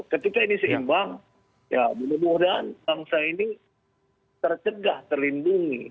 ketika ini seimbang ya mudah mudahan bangsa ini tercegah terlindungi